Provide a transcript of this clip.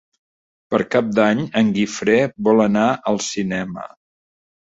Per Cap d'Any en Guifré vol anar al cinema.